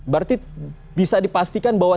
berarti bisa dipastikan bahwa